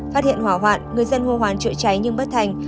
phát hiện hỏa hoạn người dân hô hoán chữa cháy nhưng bất thành